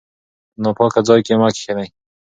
په ناپاکه ځای کې مه کښینئ.